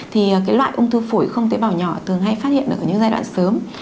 thì cái loại ung thư phổi không tế bào nhỏ thường hay phát hiện được ở những giai đoạn sớm